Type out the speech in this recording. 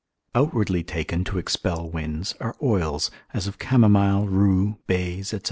Outwardly taken to expel winds, are oils, as of camomile, rue, bays, &c.